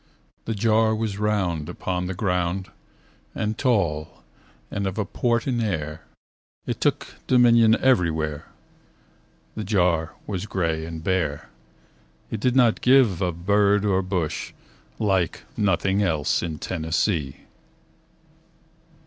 The jar was round upon the ground And tall and of a port in air. It took dominion everywhere. The jar was gray and bare. It did not give of bird or bush. Like nothing else in Tennessee.